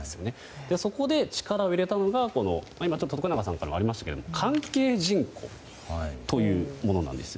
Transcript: そこで力を入れたのが今、徳永さんからもありましたが関係人口というものなんですよ。